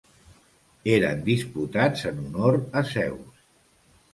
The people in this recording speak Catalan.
Eren disputats en honor a Zeus.